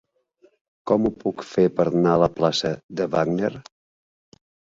Com ho puc fer per anar a la plaça de Wagner?